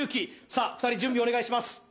さっ２人準備お願いします